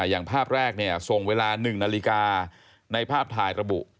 อย่างภาพแรกส่งเวลา๑นาฬิกาในภาพถ่ายระบุ